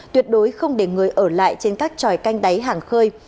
tuyệt đối không để người ở lại trên các tròi canh đáy hàng khơi